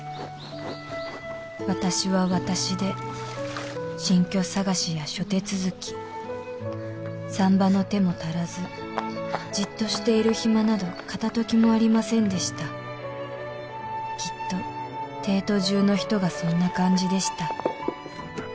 私は私で新居探しや諸手続き産婆の手も足らずじっとしている暇など片ときもありませんでしたきっと帝都中の人がそんな感じでした